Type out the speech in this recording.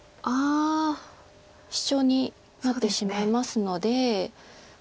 シチョウになってしまいますので。